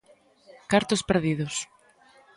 Cartos perdidos.